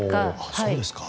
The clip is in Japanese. そうですか。